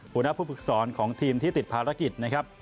หัวหน้าผู้ฝึกสอนของทีมที่ติดภารกิจนะครับ